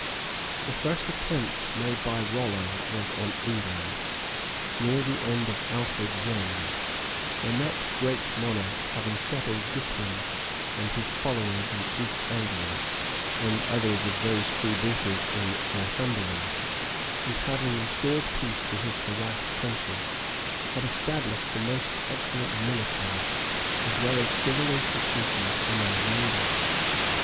] The first attempt made by Rollo was on England, near the end of Alfred's reign, when that great monarch, having settled Guthrum and his followers in East Anglia, and others of those freebooters in Northumberland, and having restored peace to his harassed country, had established the most excellent military, as well as civil, institutions among the English.